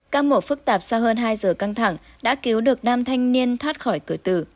các mổ phức tạp sau hơn hai giờ căng thẳng đã cứu được nam thanh niên thoát khỏi cửa tử